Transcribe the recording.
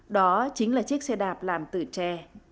đó chính là chiếc xe đạp làm từ tre